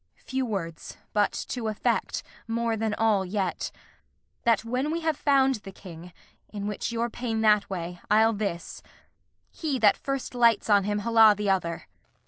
Kent. Few words, but, to effect, more than all yet: That, when we have found the King (in which your pain That way, I'll this), he that first lights on him Holla the other.